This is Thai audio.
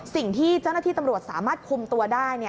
สิ่งที่เจ้าหน้าที่ตำรวจสามารถคุมตัวได้